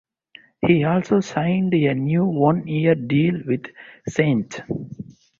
He also signed a new one-year deal with Saints.